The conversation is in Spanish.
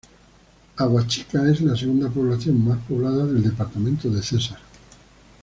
Aguachica es la segunda población más poblada del departamento de Cesar.